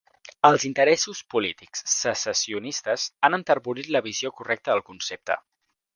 Els interessos polítics secessionistes han enterbolit la visió correcta del concepte.